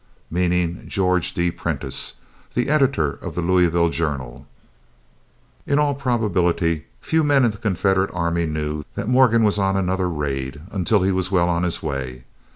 meaning George D. Prentice, the editor of the Louisville Journal. In all probability few men in the Confederate army knew that Morgan was on another raid, until he was well on his way.